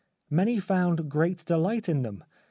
Many found great delight in them.